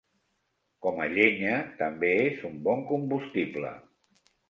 Com a llenya també és un bon combustible.